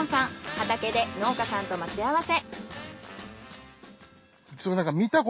畑で農家さんと待ち合わせ。